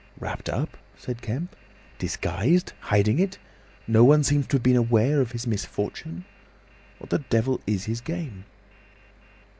"Wrapped up!" said Kemp. "Disguised! Hiding it! 'No one seems to have been aware of his misfortune.' What the devil is his game?"